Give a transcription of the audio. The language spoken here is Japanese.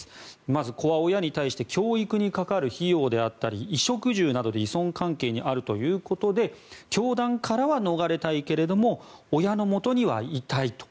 まず、子は親に対して教育にかかる費用や衣食住などで依存関係にあるということで教団からは逃れたいけれども親のもとにはいたいと。